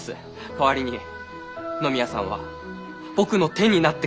代わりに野宮さんは僕の手になってください。